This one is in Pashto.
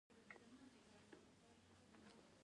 دا یو قانوني سند ګڼل کیږي.